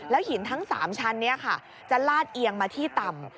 หินทั้ง๓ชั้นนี้ค่ะจะลาดเอียงมาที่ต่ำ